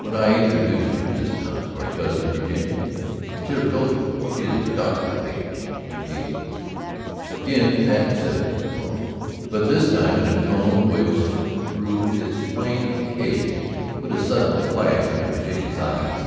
"When I introduced you just now to our Cousin Virginia, I should have told you; she is Dr. Page, M.D." Again Patten said "Oh," but this time in a tone which through its plain implication put a sudden flash into Virginia's eyes.